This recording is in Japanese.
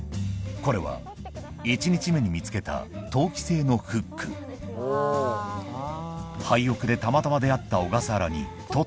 これは１日目に見つけた陶器製のフック廃屋でたまたま出会った小笠原さん